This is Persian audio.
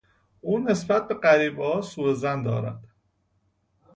او نسبت به غریبهها سوظن دارد.